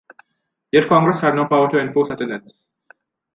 Yet Congress had no power to enforce attendance.